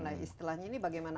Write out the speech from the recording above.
nah istilahnya ini bagaimana